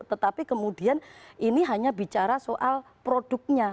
tetapi kemudian ini hanya bicara soal produknya